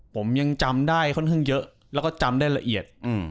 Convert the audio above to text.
ผมยังจำได้ค่อนข้างเยอะแล้วก็จำได้ละเอียด